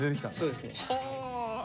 そうですね。